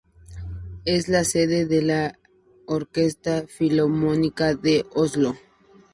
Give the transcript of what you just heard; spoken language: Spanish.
Es la sede de la Orquesta Filarmónica de Oslo.